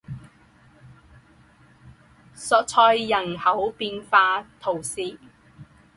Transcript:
索赛人口变化图示